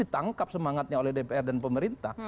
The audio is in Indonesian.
ditangkap semangatnya oleh dpr dan pemerintah